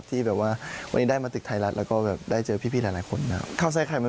สวัสดีครับ